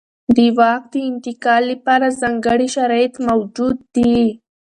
د واک د انتقال لپاره ځانګړي شرایط موجود دي.